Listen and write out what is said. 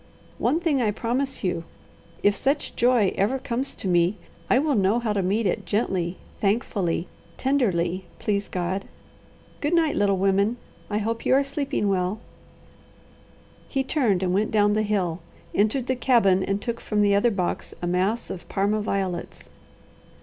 One thing I promise you: if such joy ever comes to me, I will know how to meet it gently, thankfully, tenderly, please God. Good night, little women. I hope you are sleeping well " He turned and went down the hill, entered the cabin and took from the other box a mass of Parma violets.